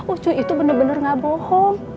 ucu itu bener bener gak bohong